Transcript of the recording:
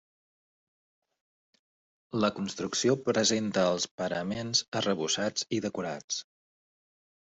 La construcció presenta els paraments arrebossats i decorats.